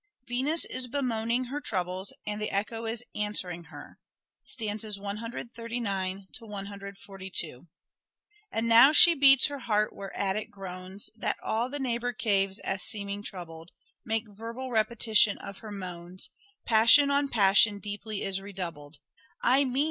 Venus is bemoaning her troubles and the echo is answering her (Stanzas 139 142) :—" And now she beats her heart whereat it groan*, That all the neighbour caves, as seeming troubled, Make verbal repetition of her moans ; Passion on passion deeply is redoubled :' Ay me